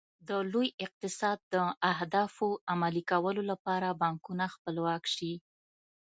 د لوی اقتصاد د اهدافو عملي کولو لپاره بانکونه خپلواک شي.